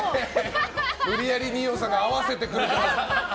無理やり、二葉さんが合わせてくれてます